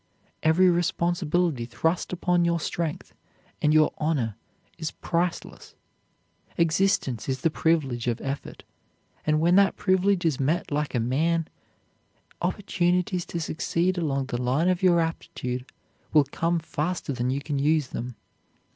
Every responsibility thrust upon your strength and your honor is priceless. Existence is the privilege of effort, and when that privilege is met like a man, opportunities to succeed along the line of your aptitude will come faster than you can use them.